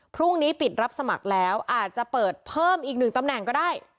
พรุ่งนี้ปิดรับสมัครแล้วอาจจะเปิดเพิ่มอีกหนึ่งตำแหน่งก็ได้